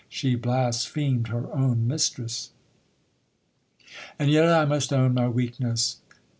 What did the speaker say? She blasphemed her own mistress. And yet I must own my weakness.